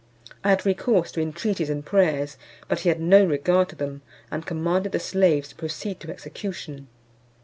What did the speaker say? I had recourse to intreaties and prayers; but he had no regard to them, and commanded the slaves to proceed to execution.